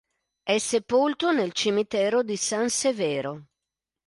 È sepolto nel cimitero di San Severo.